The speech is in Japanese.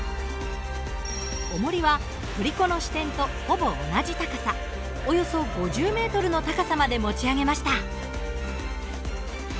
おもりは振り子の支点とほぼ同じ高さおよそ５０ｍの高さまで持ち上げました。